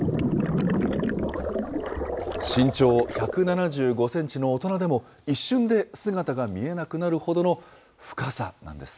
身長１７５センチの大人でも、一瞬で姿が見えなくなるほどの深さなんです。